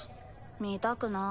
見たくない。